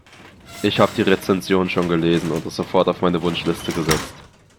Ich hab die Rezension gelesen und es sofort auf meine Wunschliste gesetzt.